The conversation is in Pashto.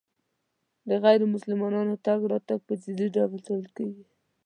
د غیر مسلمانانو تګ راتګ په جدي ډول څارل کېږي.